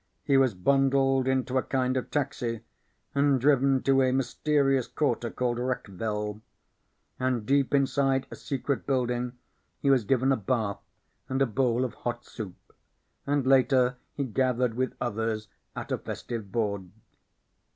He was bundled into a kind of taxi and driven to a mysterious quarter called Wreckville. And deep inside a secret building he was given a bath and a bowl of hot soup. And later he gathered with others at a festive board.